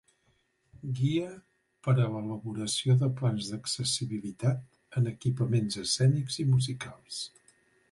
Guia per a l'elaboració de plans d'accessibilitat en equipaments escènics i musicals.